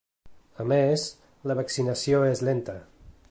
A més, la vaccinació és lenta.